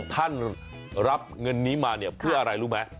ท่านรับเงินนี้มาเนี่ยเพื่ออะไรรู้ไหม